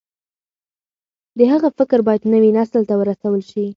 د هغه فکر بايد نوي نسل ته ورسول شي.